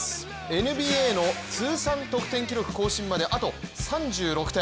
ＮＢＡの通算得点記録更新まであと３６点。